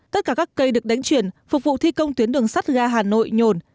tất cả các cây được đánh chuyển phục vụ thi công tuyến đường sắt ga hà nội nhồn